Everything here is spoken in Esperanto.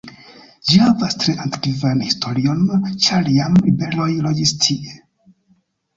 Ĝi havas tre antikvan historion ĉar jam iberoj loĝis tie.